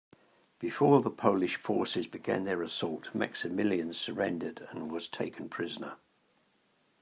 Before the Polish forces began their assault, Maximilian surrendered and was taken prisoner.